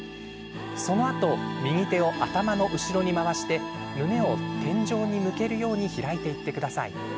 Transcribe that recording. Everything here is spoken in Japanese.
そのあと右手を頭の後ろに回して胸を天井に向けるように開いていってください。